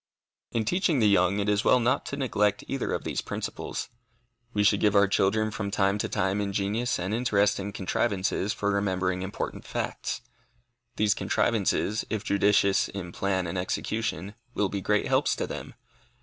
In teaching the young, it is well not to neglect either of these principles. We should give our children from time to time ingenious and interesting contrivances for remembering important facts. These contrivances, if judicious in plan and execution, will be great helps to them.